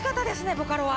ボカロは。